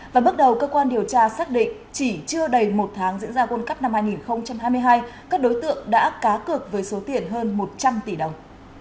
và bước đầu cơ quan điều tra xác định chỉ chưa đầy một tháng diễn ra world cup năm hai nghìn hai mươi hai các đối tượng đã cá cược với số tiền hơn một trăm linh tỷ đồng